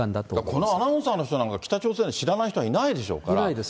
このアナウンサーの人なんか北朝鮮で知らない人はいないでしいないです。